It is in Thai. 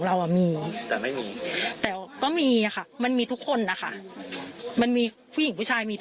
เข็ดไหมกับการดูดวงกับการที่